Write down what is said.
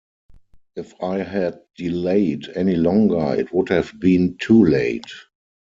If I had delayed any longer it would have been too late.